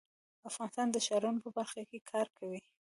افغانستان د ښارونو په برخه کې کار کوي.